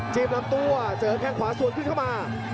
ลำตัวเจอแค่งขวาสวนขึ้นเข้ามา